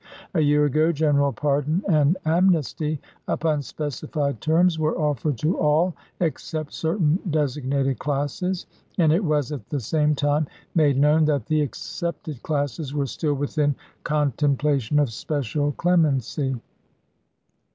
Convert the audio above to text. A year ago general pardon and amnesty, upon specified terms, were offered to all, except certain designated classes; and it was, at the same time, made known that the excepted classes were still within contemplation of special clemency.